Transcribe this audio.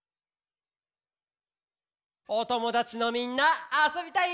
おともだちのみんなあそびたい？